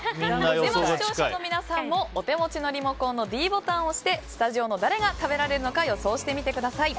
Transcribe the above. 視聴者の皆さんもお手持ちのリモコンのｄボタンを押してスタジオの誰が食べられるのか予想してみてください。